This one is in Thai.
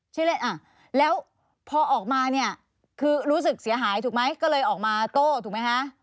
ชื่อเล่นอ่ะแล้วพอออกมาเนี่ยคือรู้สึกเสียหายถูกไหมก็เลยออกมาโต้ถูกไหมคะ